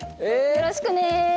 よろしくね！